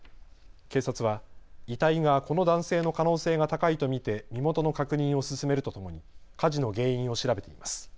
警察は遺体がこの男性の可能性が高いと見て身元の確認を進めるとともに火事の原因を調べています。